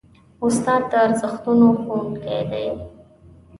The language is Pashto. استاد د ارزښتونو ښوونکی دی.